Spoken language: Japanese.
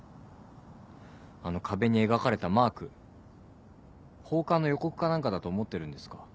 あの壁に描かれたマーク放火の予告かなんかだと思ってるんですか？